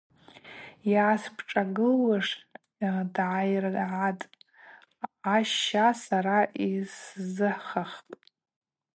Йгӏаспшӏагылуаш дгӏайыргӏатӏ, аща сара йсзыхахпӏ.